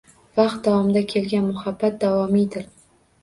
Vaqt davomida kelgan muhabbat davomiydir.